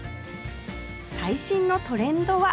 最新のトレンドは？